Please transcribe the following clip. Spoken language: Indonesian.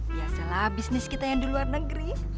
biasalah bisnis kita yang di luar negeri